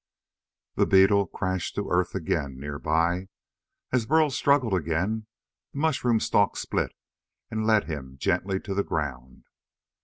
The beetle crashed to earth again, nearby. As Burl struggled again, the mushroom stalk split and let him gently to the ground.